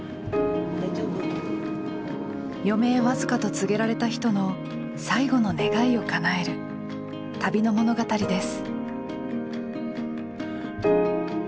余命わずかと告げられた人の最後の願いをかなえる旅の物語です。